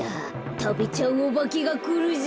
たべちゃうおばけがくるぞ。